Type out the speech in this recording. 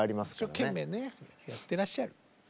一生懸命ねやってらっしゃる。